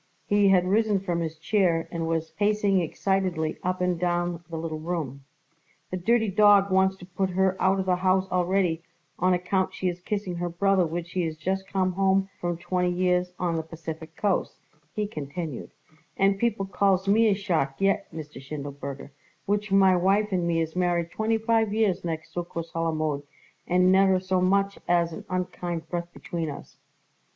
He had risen from his chair and was pacing excitedly up and down the little room. "The dirty dawg wants to put her out of the house already on account she is kissing her brother which he is just come home from twenty years on the Pacific Coast," he continued; "and people calls me a shark yet, Mr. Schindelberger, which my wife and me is married twenty five years next Succos Halamode and never so much as an unkind breath between us."